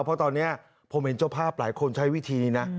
เพราะตอนนี้ผมเห็นเจ้าภาพหลายคนใช้วิธีนี้นะ